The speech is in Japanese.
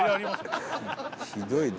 「ひどいな。